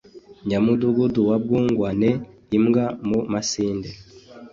Nyamudugudu wa Bwungwane-Imbwa mu masinde.